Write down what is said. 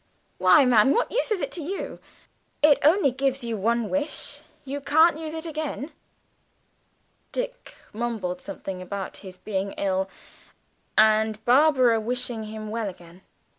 "Why, man, what use is it to you? it only gives you one wish, you can't use it again." Dick mumbled something about his being ill, and Barbara wishing him well again.